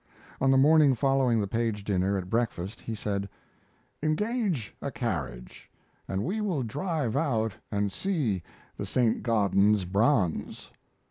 On the morning following the Page dinner at breakfast, he said: "Engage a carriage and we will drive out and see the Saint Gaudens bronze."